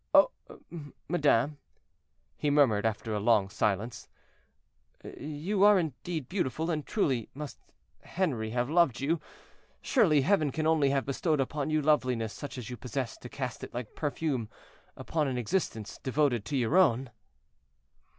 "Oh! madame," he murmured after a long silence, "you are indeed beautiful, and truly must Henri have loved you. Surely Heaven can only have bestowed upon you loveliness such as you possess to cast it like perfume upon an existence devoted to your own."